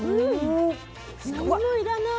何も要らない。